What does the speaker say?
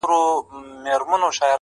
په یوه شپه به پردي سي شتمنۍ او نعمتونه-